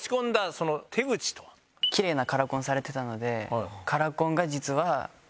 キレイなカラコンされてたので。